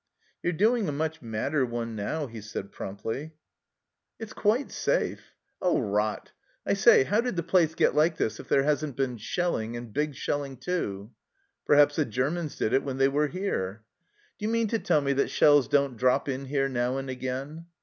" You're doing a much madder one now," he said promptly. 176 THE CELLAR HOUSE OF PERVYSE " It's quite safe." " Oh, rot ! I say, how did the place get like this if there hasn't been shelling, and big shelling too ?"" Perhaps the Germans did it when they were here." " Do you mean to tell me that shells don't drop in here now and again